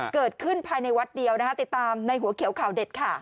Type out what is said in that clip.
เกิดขึ้นภายในวัดเดียวนะคะติดตามในหัวเขียวข่าวเด็ดค่ะ